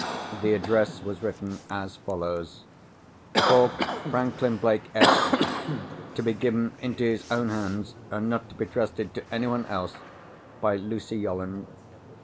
The address was written as follows:—"For Franklin Blake, Esq. To be given into his own hands (and not to be trusted to anyone else), by Lucy Yolland."